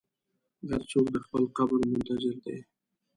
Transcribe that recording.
هر څوک د خپل قبر منتظر دی.